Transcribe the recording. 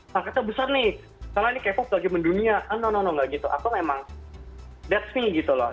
paketnya besar nih karena ini k pop lagi mendunia no no no nggak gitu aku memang that s me gitu loh